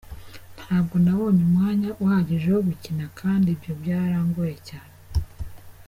Ntabwo nabonye umwanya uhagije wo gukina kandi ibyo byarangoye cyane.